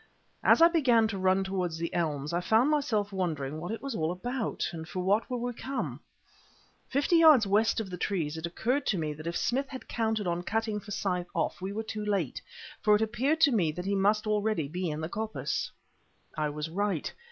As I began to run toward the elms I found myself wondering what it was all about, and for what we were come. Fifty yards west of the trees it occurred to me that if Smith had counted on cutting Forsyth off we were too late, for it appeared to me that he must already be in the coppice. I was right.